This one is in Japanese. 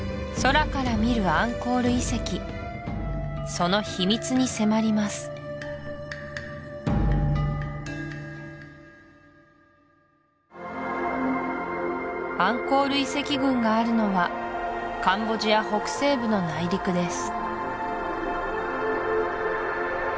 その秘密に迫りますアンコール遺跡群があるのはカンボジア北西部の内陸です